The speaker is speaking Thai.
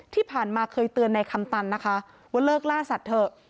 ที่ผ่านมาเคยเตือนในคำตันนะคะว่าเลิกล่าสัตว์เถอะ